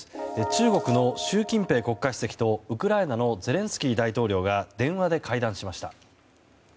中国の習近平国家主席とウクライナのゼレンスキー大統領が電話で会談しました。